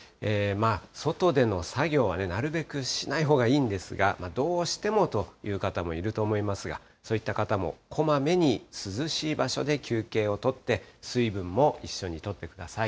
外での作業はなるべくしないほうがいいんですが、どうしてもという方もいると思いますが、そういった方もこまめに涼しい場所で休憩を取って、水分も一緒にとってください。